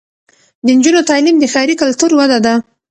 د نجونو تعلیم د ښاري کلتور وده ده.